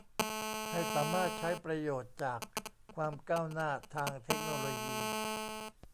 ให้สามารถใช้ประโยชน์จากความก้าวหน้าทางเทคโนโลยี